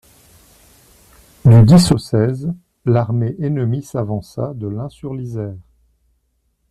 Du dix au seize, l'armée ennemie s'avança de l'Inn sur l'Iser.